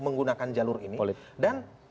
menggunakan jalur ini dan